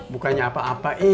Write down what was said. bukannya apa apa ya